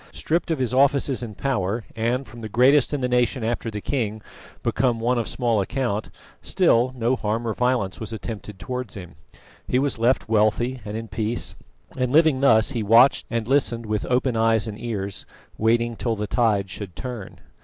Stripped of his offices and power, and from the greatest in the nation, after the king, become one of small account, still no harm or violence was attempted towards him. He was left wealthy and in peace, and living thus he watched and listened with open eyes and ears, waiting till the tide should turn.